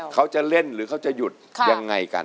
เขาจะเล่นหรือเขาจะหยุดยังไงกัน